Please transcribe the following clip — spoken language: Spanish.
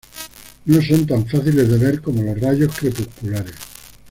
No son tan fáciles de ver como los rayos crepusculares.